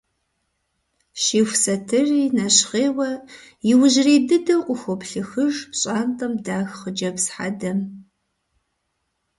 Щиху сатырри нэщхъейуэ иужьрей дыдэу къыхуоплъыхыж пщӏантӏэм дах хъыджэбз хьэдэм.